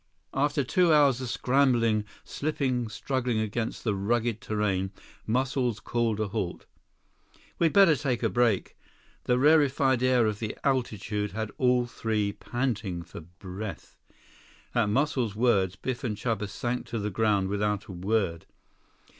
After two hours of scrambling, slipping, struggling against the rugged terrain, Muscles called a halt. "We'd better take a break." The rarefied air of the altitude had all three panting for breath. At Muscles' words, Biff and Chuba sank to the ground without a word.